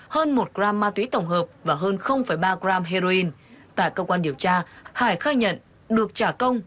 hơn một gram ma túy tổng hợp và hơn ba g heroin tại cơ quan điều tra hải khai nhận được trả công